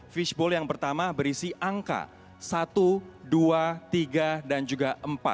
fishbowl yang pertama berisi angka satu dua tiga dan juga empat